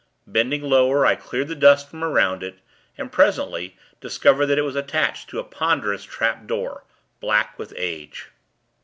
Bending lower, I cleared the dust from around it, and, presently, discovered that it was attached to a ponderous trap door, black with age.